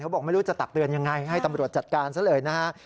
บอกไม่รู้จะตักเตือนยังไงให้ตำรวจจัดการซะเลยนะฮะ